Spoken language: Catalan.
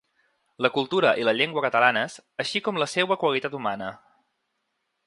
La cultura i la llengua catalanes, així com la seua qualitat humana.